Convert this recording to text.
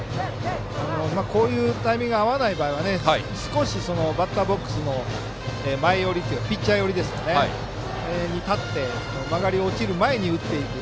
こうしてタイミングが合わない場合は少しバッターボックスの前寄りピッチャー寄りに立って曲がり落ちる前に打っていく。